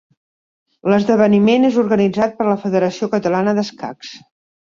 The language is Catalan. L'esdeveniment és organitzat per la Federació Catalana d’Escacs.